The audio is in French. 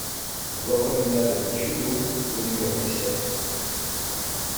Voie Communale Le Tuilot au numéro dix-sept